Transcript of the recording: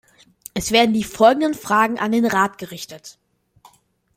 Es werden die folgenden Fragen an den Rat gerichtet.